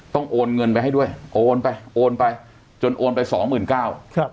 ต้องโอนเงินไปให้ด้วยโอนไปโอนไปจนโอนไป๒หมื่นเก้า